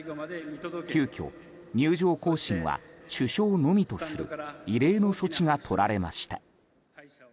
急きょ入場行進は主将のみとする異例の措置が取られました。